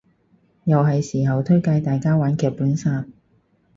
又係時候推介大家玩劇本殺